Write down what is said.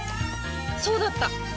そうだった！